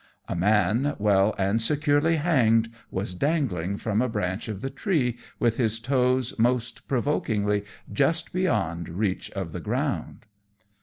A man, well and securely hanged, was dangling from a branch of the tree, with his toes most provokingly just beyond reach of the ground.